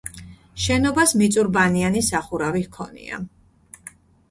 შენობას მიწურბანიანი სახურავი ჰქონია.